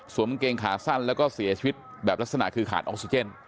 กางเกงขาสั้นแล้วก็เสียชีวิตแบบลักษณะคือขาดออกซิเจน